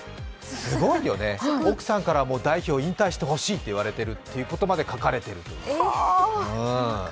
すごいよね、奥さんからも代表を引退してほしいということまで書かれている。